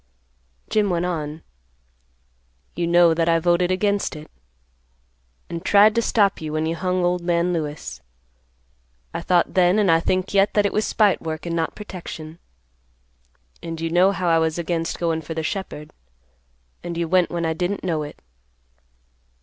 Jim went on, "You know that I voted against it, and tried to stop you when you hung old man Lewis. I thought then, and I think yet, that it was spite work and not protection; and you know how I was against goin' for the shepherd, and you went when I didn't know it.